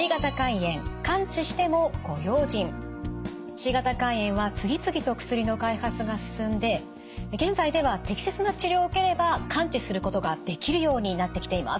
Ｃ型肝炎は次々と薬の開発が進んで現在では適切な治療を受ければ完治することができるようになってきています。